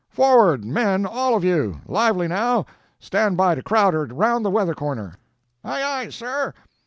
"Forward, men, all of you! Lively, now! Stand by to crowd her round the weather corner!" "Aye aye, sir!"